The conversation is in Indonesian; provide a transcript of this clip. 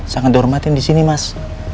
sangat dihormatin disini mas